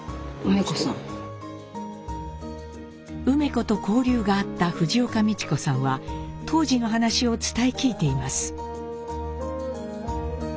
梅子と交流があった藤岡道子さんは当時の話を伝え聞いています。